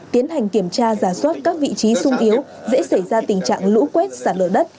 tiến hành kiểm tra giả soát các vị trí sung yếu dễ xảy ra tình trạng lũ quét sạt lở đất